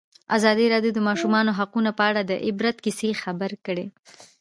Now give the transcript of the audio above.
ازادي راډیو د د ماشومانو حقونه په اړه د عبرت کیسې خبر کړي.